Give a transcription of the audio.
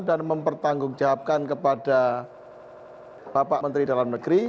dan mempertanggungjawabkan kepada bapak menteri dalam negeri